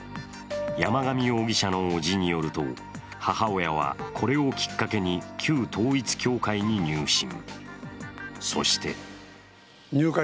山上容疑者のおじによると母親はこれをきっかけに旧統一教会に入信。